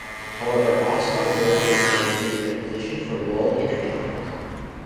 However, Oskar Morgenstern created a position for Wald in economics.